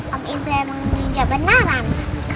om itu yang mengincar benaran